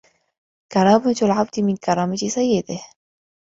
كرامة العبد من كرامة سيده